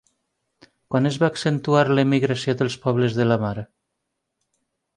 Quan es va accentuar l'emigració dels pobles de la mar?